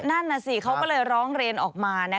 นั่นน่ะสิเขาก็เลยร้องเรียนออกมา